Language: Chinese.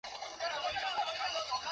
文昌航天发射场即位于龙楼镇境内。